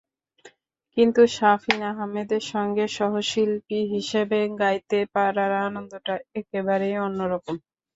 কিন্তু শাফিন আহমেদের সঙ্গে সহশিল্পী হিসেবে গাইতে পারার আনন্দটা একেবারেই অন্যরকম।